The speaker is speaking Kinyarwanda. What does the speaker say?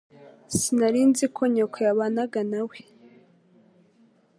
Sinari nzi ko nyoko yabanaga nawe.